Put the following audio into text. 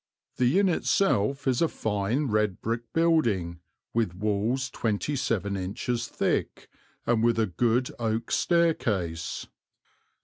The inn itself is a fine red brick building, with walls twenty seven inches thick, and with a good oak staircase."